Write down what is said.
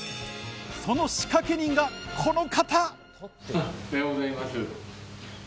その仕掛け人が、この方。